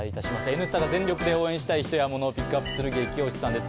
「Ｎスタ」が全力で応援したい人やモノをピックアップする「ゲキ推しさん」です。